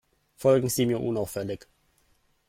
Folgen Sie mir unauffällig.